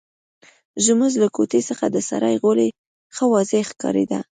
زموږ له کوټې څخه د سرای غولی ښه واضح ښکارېده.